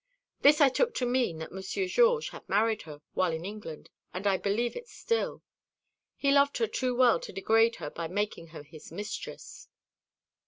This I took to mean that Monsieur Georges had married her while in England, and I believe it still. He loved her too well to degrade her by making her his mistress."